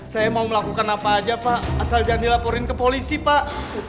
saya mau melakukan apa aja pak asal jangan dilaporin ke polisi pak